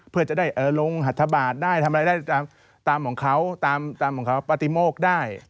เพื่อจะได้ลงหัทธบาทได้ทำอะไรได้ตามของเขาตามของเขาปฏิโมกได้